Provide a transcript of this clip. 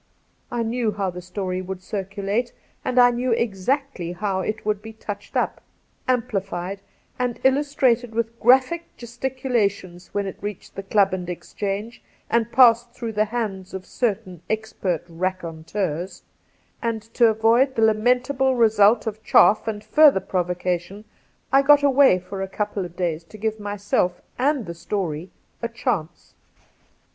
I knew how the story would circulate, and I knew exactly how it would be touched up, amplified, and illustrated with graphic gesticula tions when it reached the club and Exchange and passed through the hands of certain expert racon teurs ; and to avoid the lamentable result of chaff and further provocation I got away for a couple of days to give myself — and the story — a chance.